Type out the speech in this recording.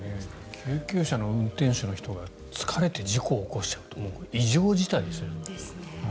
救急車の運転手の人が疲れて事故を起こしちゃうって異常事態ですね。